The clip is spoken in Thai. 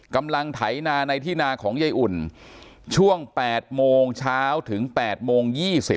ไถนาในที่นาของยายอุ่นช่วง๘โมงเช้าถึง๘โมง๒๐